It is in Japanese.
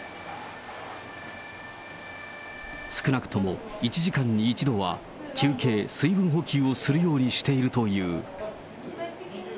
少なくとも１時間に１度は、休憩・水分補給をするようにしているという。